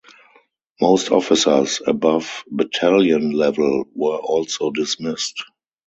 Most officers above battalion level were also dismissed.